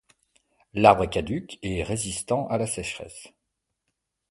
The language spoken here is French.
L'arbre est caduc et résistant à la sécheresse.